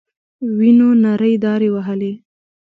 وينو نرۍ دارې وهلې.